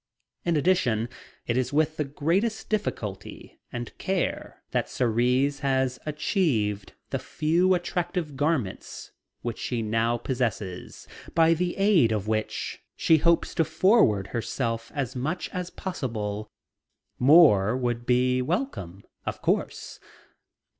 In addition, it is with the greatest difficulty and care that Cerise has achieved the few attractive garments which she now possesses and by the aid of which she hopes to forward herself as much as possible. More would be welcome, of course.